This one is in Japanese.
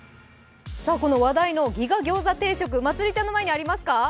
この話題のギガ餃子定食、まつりちゃんの前にありますか。